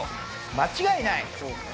間違いない。